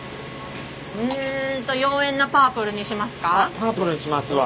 うんとパープルにしますわ。